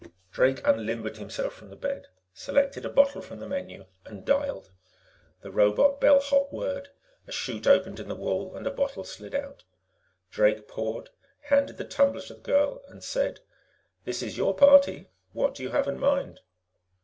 Drake unlimbered himself from the bed, selected a bottle from the menu and dialed. The robot bellhop whirred, a chute opened in the wall, and a bottle slid out. Drake poured, handed the tumbler to the girl, and said: "This is your party; what do you have in mind?"